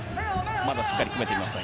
まだ、しっかり組めていません。